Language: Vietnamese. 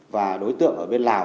và đối tượng ở bên lào